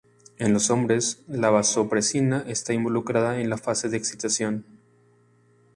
En los hombres, la vasopresina está involucrada en la fase de excitación.